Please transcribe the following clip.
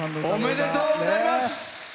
おめでとうございます！